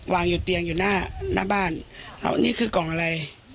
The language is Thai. วางอยู่เตียงอยู่หน้าหน้าบ้านอ้าวนี่คือกล่องอะไร